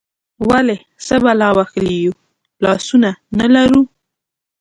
ولې، څه بلا وهلي یو، لاسونه نه لرو؟